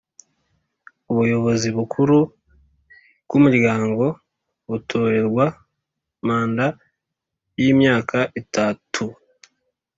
Ubuyobozi bukuru bw’umuryango butorerwa manda y’imyaka itatu